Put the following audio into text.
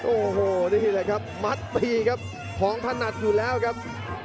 โอ้โหนี่แหละครับมัดตีครับของถนัดอยู่แล้วครับ